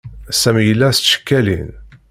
Sami yella s tcekkalin.